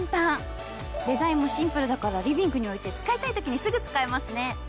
デザインもシンプルだからリビングに置いて使いたいときにすぐ使えますね。